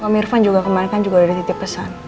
pak mirvan juga kemarin kan juga udah dititip pesan